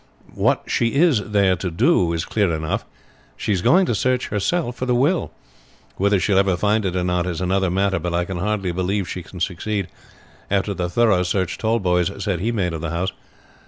What she is there to do is clear enough. She is going to search herself for the will. Whether she will ever find it or not is another matter; but I can hardly believe she can succeed after the thorough search Tallboys said he made of the house.